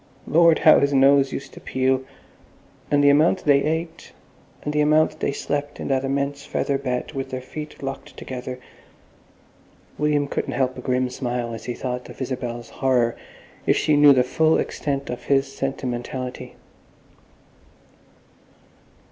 Lord! how his nose used to peel! And the amount they ate, and the amount they slept in that immense feather bed with their feet locked together.... William couldn't help a grim smile as he thought of Isabel's horror if she knew the full extent of his sentimentality.